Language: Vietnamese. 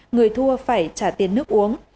người thua phải trả tiền nước uống